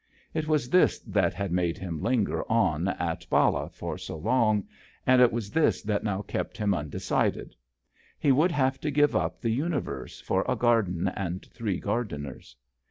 It was this that had made him linger on at Ballah for so long, and it was this that now kept him undecided. He would have to give up the universe, for a garden and three gardeners.